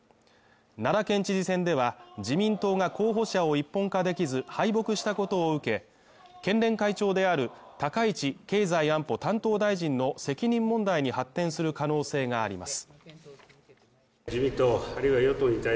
奈良県知事選では自民党が候補者を一本化できず、敗北したことを受け、県連会長である高市経済安保担当大臣の責任問題に発展する可能性があります。